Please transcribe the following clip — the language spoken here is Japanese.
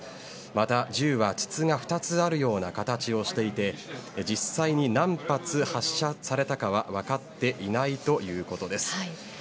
また、銃は筒が２つあるような形をしていて実際に何発発射されたかは分かっていないということです。